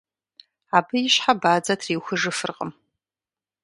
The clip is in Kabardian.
Абы и щхьэ бадзэ трихужыфыркъым.